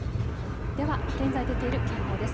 では現在、出ている警報です。